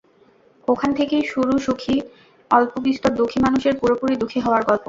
ওখান থেকেই শুরু- সুখী, অল্পবিস্তর দুঃখী মানুষের পুরোপুরি দুঃখী হওয়ার গল্প।